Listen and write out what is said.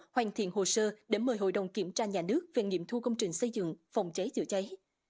hoàn thiện hồ sơ để mời hội đồng kiểm tra nhà nước về nghiệm thu công trình xây dựng phòng cháy chữa cháy